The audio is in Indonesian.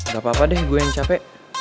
gapapa deh gue yang capek